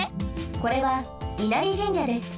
これは稲荷神社です。